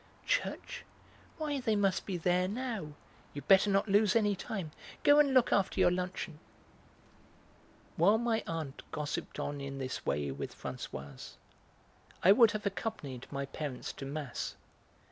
"Church! why, they must be there now; you'd better not lose any time. Go and look after your luncheon." While my aunt gossiped on in this way with Françoise I would have accompanied my parents to mass.